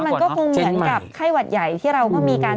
เจนใหม่สุดท้ายมันก็คงเหมือนกับไข้หวัดใหญ่ที่เราก็มีการ